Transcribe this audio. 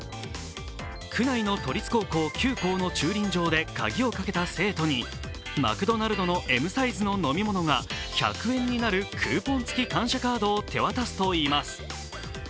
区内の都立高校９校の駐輪場で鍵をかけた生徒にマクドナルドのＭサイズの飲み物が１００円になるクーポン付き感謝カードを手渡すといいます。